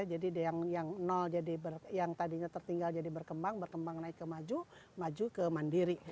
jadi yang yang tadinya tertinggal jadi berkembang berkembang naik ke maju maju ke mandiri